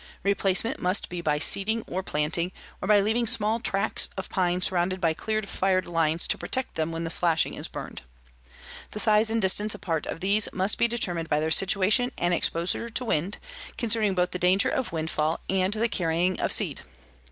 Replacement must be by seeding or planting, or by leaving small tracts of pine surrounded by cleared fire lines to protect them when the slashing is burned. The size and distance apart of these must be determined by their situation and exposure to wind, considering both the danger of windfall and the carrying of seed.